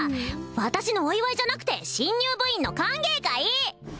私のお祝いじゃなくて新入部員の歓迎会！